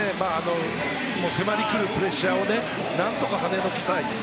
迫りくるプレッシャーを何とか跳ねのけたい。